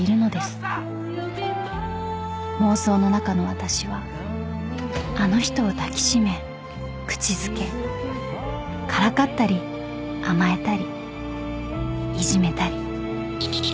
［妄想の中の私はあの人を抱き締め口づけからかったり甘えたりいじめたり］